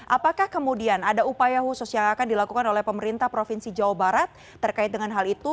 apakah kemudian ada upaya khusus yang akan dilakukan oleh pemerintah provinsi jawa barat terkait dengan hal itu